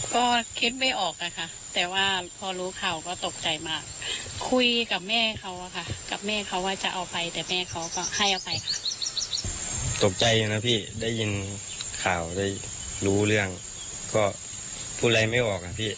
เพราะว่าผมก็ทำงานด้วยจิตใจของลูกมากกว่า